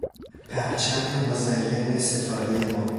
پرچم مزین ستارهی ما